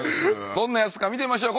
どんなやつか見てみましょう。